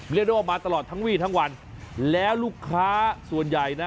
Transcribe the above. เรียกได้ว่ามาตลอดทั้งวี่ทั้งวันแล้วลูกค้าส่วนใหญ่นะ